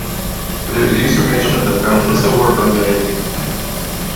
With the usurpation of the throne, the civil war broke out anew.